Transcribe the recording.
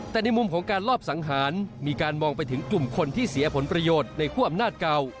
แต่ในมุมของการลอบสังหารมีการมองไปถึงกลุ่มคนที่เสียผลประโยชน์ในคั่วอำนาจเก่า